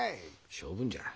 性分じゃ。